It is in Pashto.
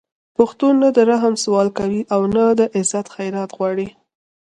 پښتون نه د رحم سوال کوي او نه د عزت خیرات غواړي